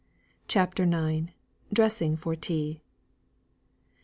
CHAPTER IX. DRESSING FOR TEA.